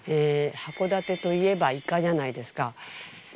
函館といえばイカじゃないですか。